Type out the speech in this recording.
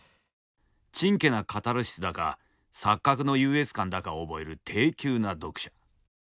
チンケなカタルシスだか錯覚の優越感だかを覚える低級な読者。